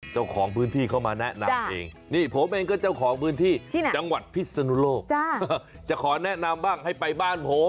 เจ้าของพื้นที่เขามาแนะนำเองนี่ผมเองก็เจ้าของพื้นที่ที่ไหนจังหวัดพิศนุโลกจะขอแนะนำบ้างให้ไปบ้านผม